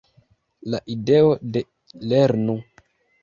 La ideo de "lernu!